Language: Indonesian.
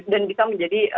dan bisa menjadi